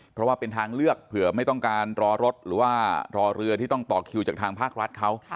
เพราะว่าเป็นทางเลือกเผื่อไม่ต้องการรอรถหรือว่ารอเรือที่ต้องต่อคิวจากทางภาครัฐเขา